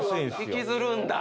引きずるんだ。